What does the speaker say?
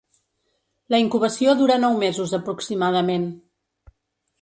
La incubació dura nou mesos aproximadament.